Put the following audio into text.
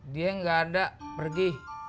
dia nggak ada pergi